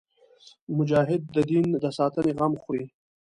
مجاهد د دین د ساتنې غم خوري.